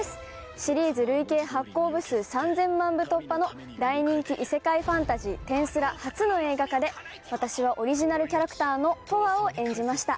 シリーズ累計発行部数３０００万部突破の大人気異世界ファンタジー、転スラ初の映画化で、私はオリジナルキャラクターのトワを演じました。